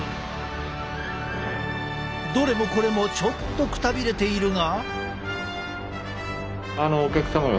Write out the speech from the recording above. どれもこれもちょっとくたびれているが。